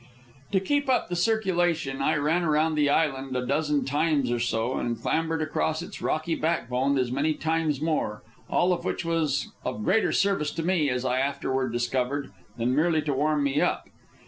To keep up the circulation, I ran around the island a dozen times or so, and clambered across its rocky backbone as many times more all of which was of greater service to me, as I afterward discovered, than merely to warm me up.